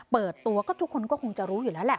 เปิดตัวก็ทุกคนก็คงจะรู้อยู่แล้วแหละ